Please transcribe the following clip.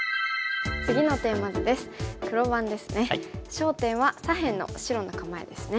焦点は左辺の白の構えですね。